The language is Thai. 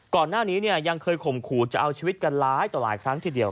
ก่อนหน้านี้เนี่ยยังเคยข่มขู่จะเอาชีวิตกันหลายต่อหลายครั้งทีเดียว